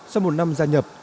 sau một năm gia nhập